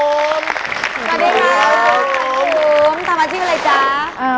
สวัสดีครับผมทำอาชีพอะไรจ๊ะ